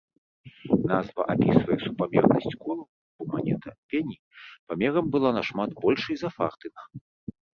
Назва апісвае супамернасць колаў, бо манета пені памерам была нашмат большай за фартынг.